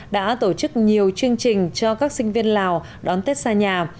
đã tổ chức nhiều chương trình cho các sinh viên lào đón tết xa nhà